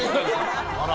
あら。